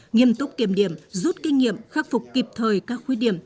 nghiêm túc kiểm điểm rút kinh nghiệm khắc phục kịp thời các khuyết điểm